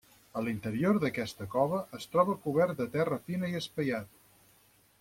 L'interior d'aquesta cova es troba cobert de terra fina i espaiat.